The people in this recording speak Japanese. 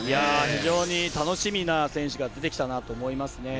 非常に楽しみな選手が出てきたなと思いますね。